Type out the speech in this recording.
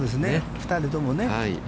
２人ともね。